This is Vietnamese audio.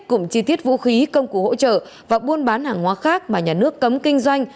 cùng chi tiết vũ khí công cụ hỗ trợ và buôn bán hàng hóa khác mà nhà nước cấm kinh doanh